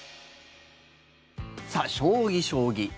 さあ、将棋、将棋。